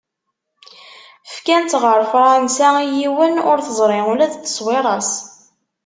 Fkan-tt ɣer Fransa i yiwen, ur teẓri ula d tteṣwira-s.